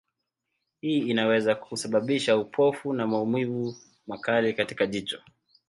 Hii inaweza kusababisha upofu na maumivu makali katika jicho.